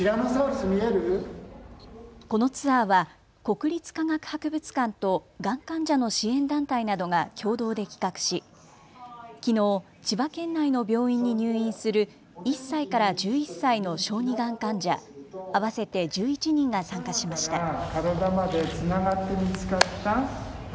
このツアーは国立科学博物館とがん患者の支援団体などが共同で企画しきのう、千葉県内の病院に入院する１歳から１１歳の小児がん患者、合わせて１１人が参加しました。